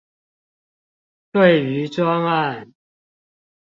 對於專案